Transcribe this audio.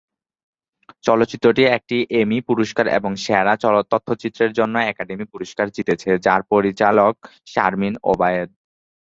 চলচ্চিত্রটি একটি এমি পুরস্কার এবং "সেরা তথ্যচিত্রের জন্য একাডেমি পুরস্কার" জিতেছে, যার পরিচালক শারমিন ওবায়েদ-চিনয়, পাকিস্তানের প্রথম অস্কার বিজয়ী হন।